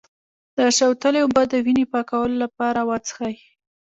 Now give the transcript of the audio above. د شوتلې اوبه د وینې پاکولو لپاره وڅښئ